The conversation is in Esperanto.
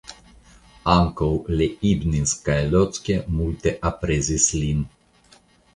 Ankaŭ Leibniz kaj Locke multe aprezis lin.